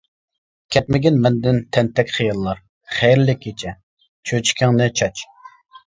كەتمىگىن مەندىن، تەنتەك خىياللار، خەيرلىك كېچە، چۆچىكىڭنى چاچ.